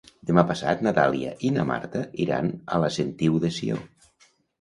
Demà passat na Dàlia i na Marta iran a la Sentiu de Sió.